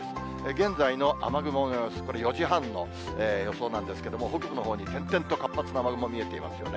現在の雨雲の様子、これ４時半の予想なんですけれども、北部のほうに点々と活発な雨雲見えていますよね。